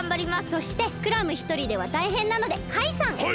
そしてクラムひとりではたいへんなのでカイさん！はい！？